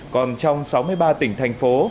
còn trong sáu mươi ba tỉnh thành phố